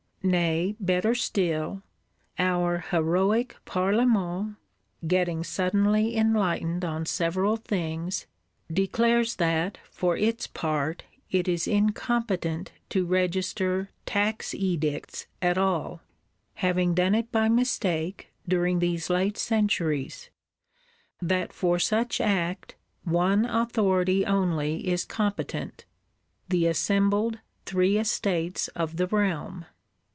Nay better still, our heroic Parlement, getting suddenly enlightened on several things, declares that, for its part, it is incompetent to register Tax edicts at all,—having done it by mistake, during these late centuries; that for such act one authority only is competent: the assembled Three Estates of the Realm!